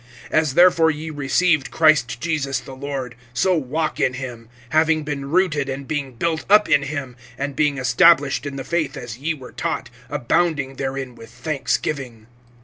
(6)As therefore ye received Christ Jesus the Lord, so walk in him; (7)having been rooted and being built up in him, and being established in the faith as ye were taught, abounding therein with thanksgiving.